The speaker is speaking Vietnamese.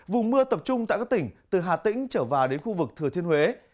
vùng mưa tập trung tại các tỉnh từ hà tĩnh trở vào đến khu vực thừa thiên huế